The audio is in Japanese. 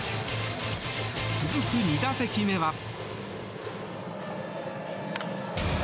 続く２打席目は。